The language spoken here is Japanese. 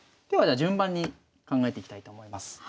ではじゃあ順番に考えていきたいと思います。